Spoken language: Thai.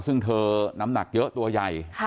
ซึ่งเธอน้ำหนักเยอะตัวใหญ่